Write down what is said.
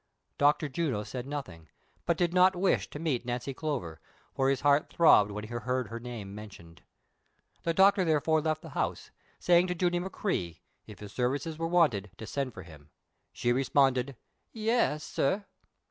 Dr. Juno said nothing, but did not wish to meet Nancy Clover, for his heart throbbed when he heard her name mentioned. The doctor therefore left the house, saying to Judy McCrea, if his services were wanted, to send for him ; she responded : '^Yis, sir."